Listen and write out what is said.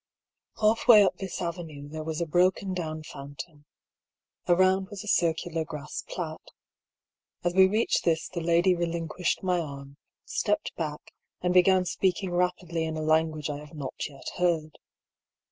Half way up this avenue there was a broken down fountain. Around was a circular grass plat. As we reached this the lady relinquished my arm, stepped back, and began speaking rapidly in a language I have not yet heard.